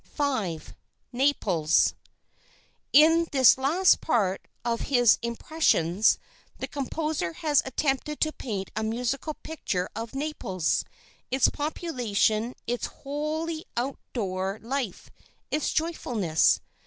"V. NAPLES. "In this last part of his 'Impressions' the composer has attempted to paint a musical picture of Naples, its population, its wholly out door life, its joyfulness....